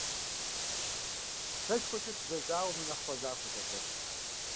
СэшхуэкӀэ дызэзауэмэ, нэхъ фӀэзахуэт абы.